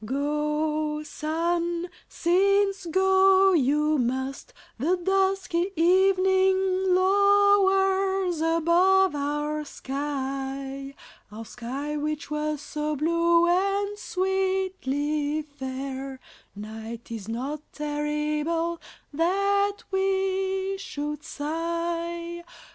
Go, sun, since go you must, The dusky evening lowers above our sky, Our sky which was so blue and sweetly fair; Night is not terrible that we should sigh.